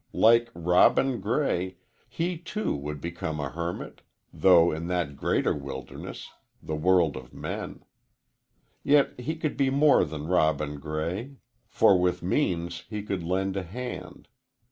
Like Robin Gray, he, too, would become a hermit, though in that greater wilderness the world of men. Yet he could be more than Robin Gray, for with means he could lend a hand.